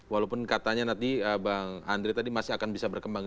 walaupun katanya nanti bang andre tadi masih akan bisa berkembang